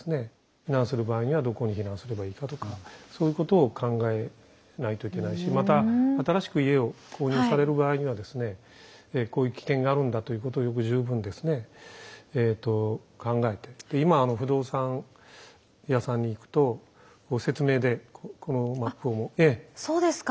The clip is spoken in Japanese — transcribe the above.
避難する場合にはどこに避難すればいいかとかそういうことを考えないといけないしまた新しく家を購入される場合にはですねこういう危険があるんだということをよく十分ですね考えて今不動産屋さんに行くと説明でこのマップも。